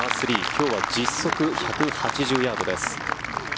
今日は実測１８０ヤードです。